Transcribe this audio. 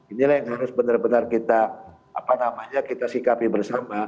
inilah yang harus benar benar kita apa namanya kita sikapi bersama